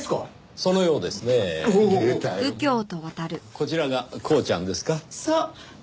こちらがコウちゃんですか？